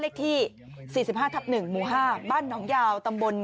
เลขที่สี่สิบห้าทับหนึ่งหมู่ห้าบ้านน้องยาวตำบน